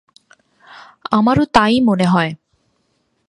আমারও তা-ই মনে হয়।